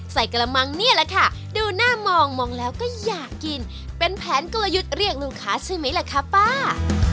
ใส่กระมังเนี้ยล่ะค่ะดูหน้ามองมองแล้วก็อยากกินเป็นแผนกลยุทธ์เรียกลูกค้าชื่อมั้ยล่ะครับป้า